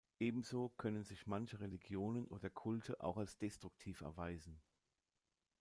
Ebenso können sich manche Religionen oder Kulte auch als destruktiv erweisen.